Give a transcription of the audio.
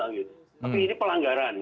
tapi ini pelanggaran